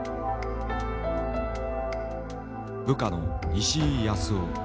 部下の石井康雄。